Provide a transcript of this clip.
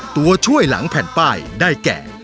ตัวช่วยหลังแผ่นป้ายได้แก่